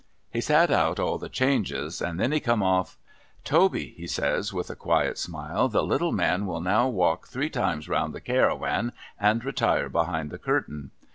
He sat out all the changes, and then he come off. ' Toby,' he says, with a quiet smile, ' the little man will now walk three times round the Cairawan, and retire behind the curtain.'